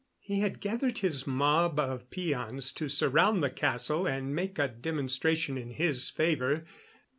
He had gathered his mob of peons to surround the castle and make a demonstration in his favor.